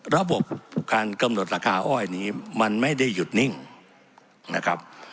ระบบการกำหนดราคาอ้อยนี้มันไม่ได้หยุดนิ่งนะครับ